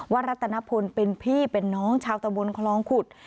รัตนพลเป็นพี่เป็นน้องชาวตะบนคลองขุด